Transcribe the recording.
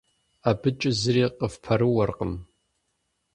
АбыкӀи зыри къыфпэрыуэркъым.